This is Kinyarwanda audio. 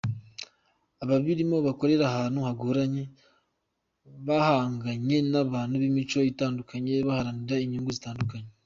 Ababirimo bakorera ahantu hagoranye, bahanganye n’abantu b’imico itandukanye baharanira n’inyungu zitandukanye.